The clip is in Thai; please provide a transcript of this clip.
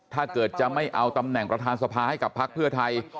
ถ้าเกิดจะไม่เอาตำแหน่งประธานสภาให้กับพักเพื่อไทย